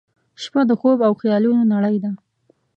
• شپه د خوب او خیالونو نړۍ ده.